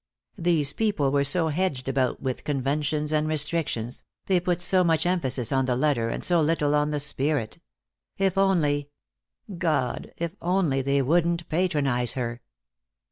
These people were so hedged about with conventions and restrictions, they put so much emphasis on the letter and so little on the spirit. If only God, if only they wouldn't patronize her!